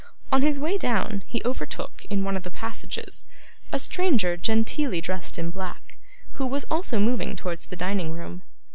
On his way down, he overtook, in one of the passages, a stranger genteelly dressed in black, who was also moving towards the dining room.